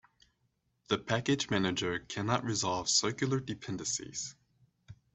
The package manager cannot resolve circular dependencies.